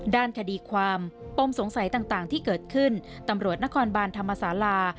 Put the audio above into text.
ด้านคดีความปมสงสัยต่างที่เกิดขึ้นตำรวจนครบานธรรมศาลา